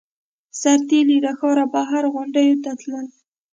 سرتېري له ښاره بهر غونډیو ته تلل